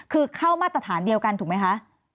คือเข้ามาตรฐานเดียวกันถูกไหมคะ